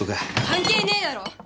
関係ねえだろ！